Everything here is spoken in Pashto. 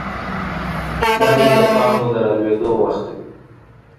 منی د پاڼو د رالوېدو وخت دی.